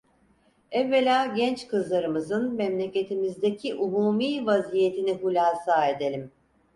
Evvela genç kızlarımızın memleketimizdeki umumî vaziyetini hulasa edelim: